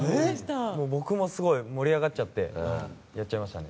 僕もすごい盛り上がっちゃってやっちゃいましたね。